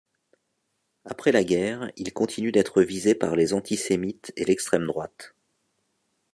Après la guerre, il continue d'être visé par les antisémites et l'extrême droite.